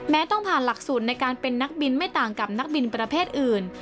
ต้องผ่านหลักสูตรในการเป็นนักบินไม่ต่างกับนักบินประเภทอื่น